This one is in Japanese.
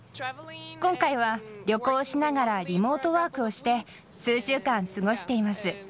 今回は旅行しながらリモートワークをして、数週間過ごしています。